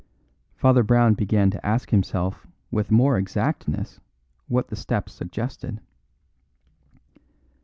Father Brown began to ask himself with more exactness what the steps suggested.